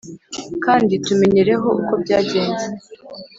kandi tumenyereho uko byagenze!